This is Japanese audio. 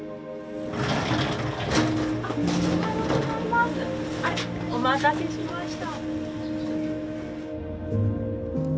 あれお待たせしました。